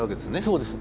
そうです。